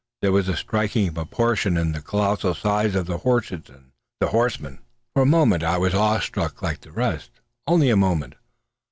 There was a striking proportion in the colossal size of the horses and the horsemen. For a moment I was awe struck like the rest. Only a moment.